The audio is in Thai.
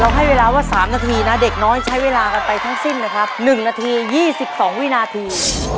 ให้เวลาว่า๓นาทีนะเด็กน้อยใช้เวลากันไปทั้งสิ้นนะครับ๑นาที๒๒วินาที